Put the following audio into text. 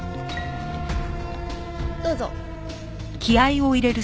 どうぞ。